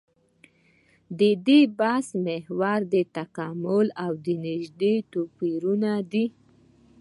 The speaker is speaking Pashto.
د دې بحث محور د تکامل او نژادي توپيرونه دي.